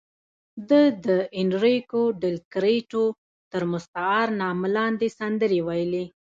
ده د اینریکو ډیلکریډو تر مستعار نامه لاندې سندرې ویلې.